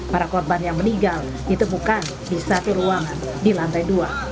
para korban yang meninggal ditemukan di satu ruangan di lantai dua